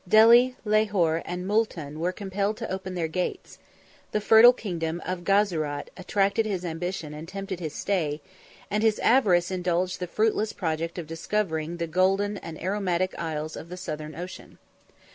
Delhi, Lahor, and Multan, were compelled to open their gates: the fertile kingdom of Guzarat attracted his ambition and tempted his stay; and his avarice indulged the fruitless project of discovering the golden and aromatic isles of the Southern Ocean.